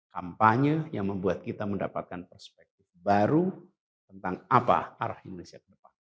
kampanye yang membuat kita mendapatkan perspektif baru tentang apa arah indonesia ke depan